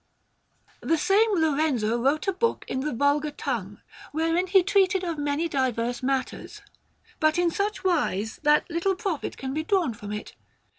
The same Lorenzo wrote a book in the vulgar tongue, wherein he treated of many diverse matters, but in such wise that little profit can be drawn from it.